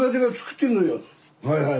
はいはい。